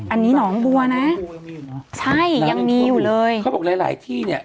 อันนี้หนองบัวนะใช่ยังมีอยู่เลยเขาบอกหลายหลายที่เนี่ย